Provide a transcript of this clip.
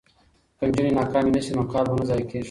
که نجونې ناکامې نه شي نو کال به نه ضایع کیږي.